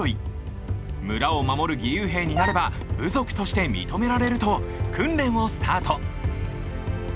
村を守る義勇兵になれば部族として認められる！と訓練をスタート！